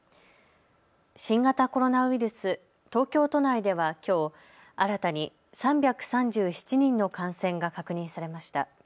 新型コロナウイルス、東京都内ではきょう、新たに３３７人の感染が確認されました。